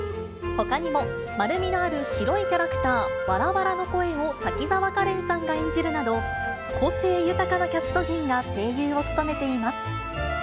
ほかにも、丸みのある白いキャラクター、ワラワラの声を滝沢カレンさんが演じるなど、個性豊かなキャスト陣が声優を務めています。